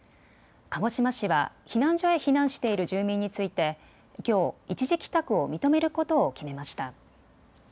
鹿児島市は避難所へ避難している住民についてきょう一時帰宅を認めることを決めました。